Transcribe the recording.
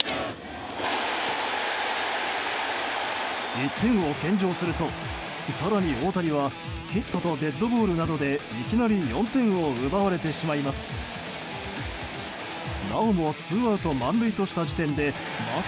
１点を献上すると更に、大谷はヒットとデッドボールなどでいきなり４点を奪われてしまいます。